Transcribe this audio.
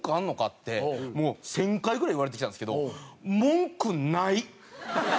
ってもう１０００回ぐらい言われてきたんですけど文句ない！